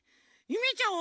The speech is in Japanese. ゆめちゃん。